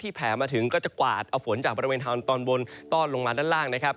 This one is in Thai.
แผลมาถึงก็จะกวาดเอาฝนจากบริเวณทางตอนบนต้อนลงมาด้านล่างนะครับ